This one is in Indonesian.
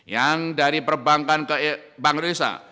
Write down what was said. yang dari perbankan ke bank indonesia